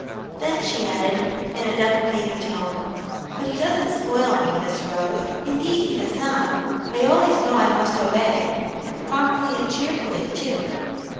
Then she added, in a deprecating tone, "But he doesn't spoil me, Miss Rose; indeed he does not. I always know I must obey, and promptly and cheerfully, too."